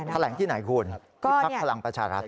แถลงที่ไหนคุณที่พักพลังประชารัฐ